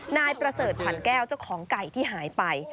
นายประเสริฐผันแก้วเจ้าของไก่ที่หายไป